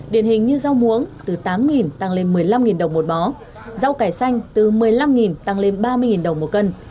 điển hình như rau muống từ tám tăng lên một mươi năm đồng một bó rau cải xanh từ một mươi năm tăng lên ba mươi đồng một cân